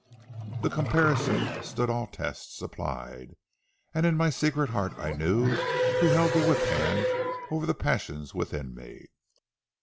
The comparison stood all tests applied, and in my secret heart I knew who held the whip hand over the passions within me.